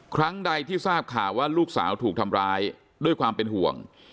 ครั้งใดที่ทราบข่าวว่าลูกสาวถูกทำร้ายด้วยความเป็นห่วง